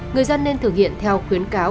người dân nên thực hiện theo khuyến cáo